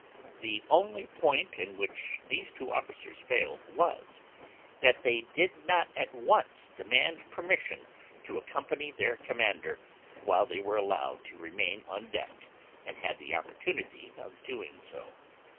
The only point in which these two officers failed, was, that they did not at once demand permission to accompany their commander, while they were allowed to remain on deck and had the opportunity of doing so.